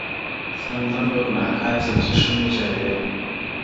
o سمدم به گنهــكاره ســـې چـــــــي ښـــــه مـــــــــي ژړوې؛